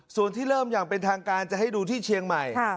ส่วนที่เริ่มอย่างเป็นทางการจะให้ดูที่เชียงใหม่